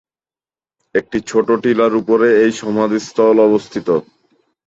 একটি ছোট টিলার উপরে এই সমাধিস্থল অবস্থিত।